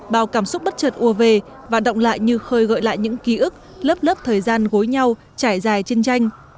bao cảm xúc bất trợt ua về và động lại như khơi gợi lại những ký ức lớp lớp thời gian gối nhau trải dài trên tranh